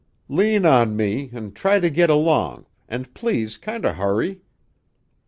"Lean on me, an' try to git along and please kinder hurry!"